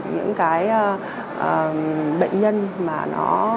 những bệnh nhân